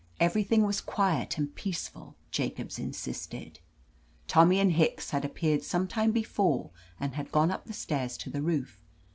Everything was quiet and peaceful, Jacobs insisted. Tommy and Hicks had appeared sometime before and had gone up the stairs to the roof.